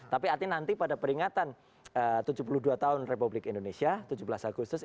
tapi artinya nanti pada peringatan tujuh puluh dua tahun republik indonesia tujuh belas agustus